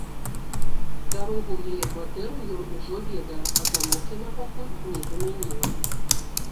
Дарогу ў яе кватэру ён ужо ведае, а замок яна пакуль не замяніла.